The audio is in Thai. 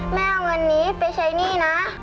แม่เอาเงินนี้ไปใช้หนี้นะ